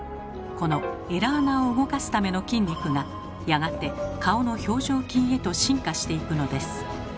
このエラ孔を動かすための筋肉がやがて顔の表情筋へと進化していくのです。